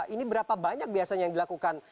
ini berapa banyak biasanya yang dilakukan